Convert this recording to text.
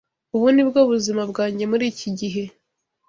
Ubu ni bwo buzima bwanjye muri iki gihe.